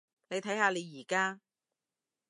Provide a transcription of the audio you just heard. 你睇下你而家？